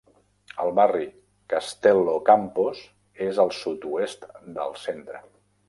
El barri Kastellokampos és al sud-oest del centre.